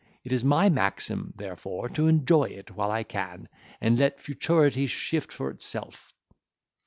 It is my maxim, therefore, to enjoy it while I can, and let futurity shift for itself."